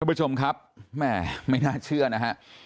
คุณผู้ชมครับไม่น่าเชื่อนนะฮะ